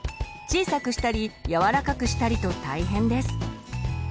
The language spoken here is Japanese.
小さくしたり柔らかくしたりと大変です。